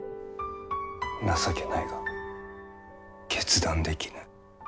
情けないが決断できぬ。